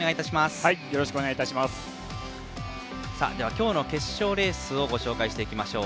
今日の決勝レースをご紹介していきましょう。